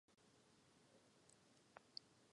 Stála s největší pravděpodobností v místě původního hamru.